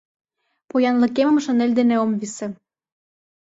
Поянлыкем шинель дене ом висе